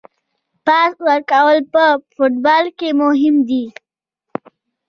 پاس ورکول په فوټبال کې مهم دي.